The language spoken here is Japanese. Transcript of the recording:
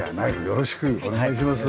よろしくお願いします。